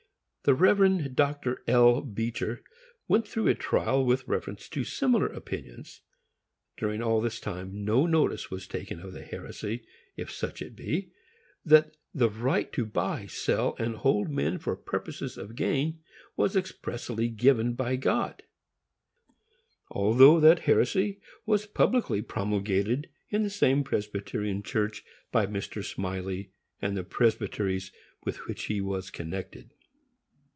The Rev. Dr. L. Beecher went through a trial with reference to similar opinions. During all this time, no notice was taken of the heresy, if such it be, that the right to buy, sell, and hold men for purposes of gain, was expressly given by God; although that heresy was publicly promulgated in the same Presbyterian Church, by Mr. Smylie, and the presbyteries with which he was connected.